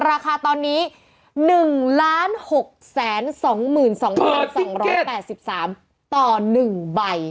ราคาตอนนี้๑๖๒๒๘๓ต่อ๑ใบ